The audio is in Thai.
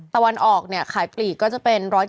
แต่วันออกเนี่ยขายปีกก็จะเป็น๑๗๐๑๗๒